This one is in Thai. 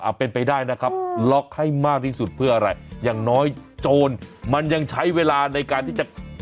เป็นไปได้นะครับล็อกให้มากที่สุดเพื่ออะไรอย่างน้อยโจรมันยังใช้เวลาในการที่จะ